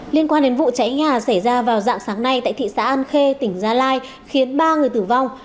liên quan đến vụ cháy nhà xảy ra vào dạng sáng nay tại thị xã an khê tỉnh gia lai khiến ba người tử vong